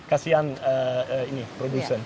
kasian ini produsen